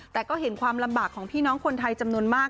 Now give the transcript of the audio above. แต่ก็เห็นความลำบากของพี่น้องคนไทยจำนวนมาก